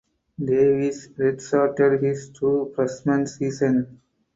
Davis redshirted his true freshman season.